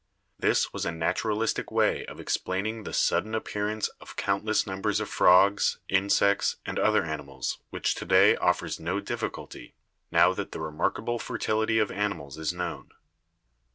This was a naturalis tic way of explaining the sudden appearance of countless numbers of frogs, insects and other animals which to day offers no difficulty, now that the remarkable fertility of animals is known.